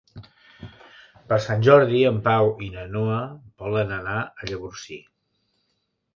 Per Sant Jordi en Pau i na Noa volen anar a Llavorsí.